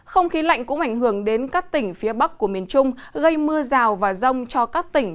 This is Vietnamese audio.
không khí lạnh cũng ảnh hưởng đến các tỉnh phía bắc của miền trung gây mưa rào và rông cho các tỉnh